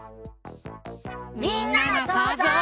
みんなのそうぞう。